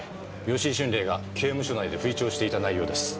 吉井春麗が刑務所内で吹聴していた内容です。